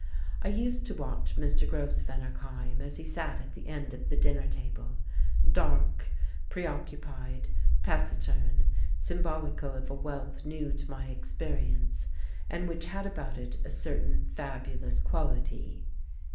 I used to watch Mr. Grosvenor Kyme as he sat at the end of the dinner table, dark, preoccupied, taciturn, symbolical of a wealth new to my experience, and which had about it a certain fabulous quality.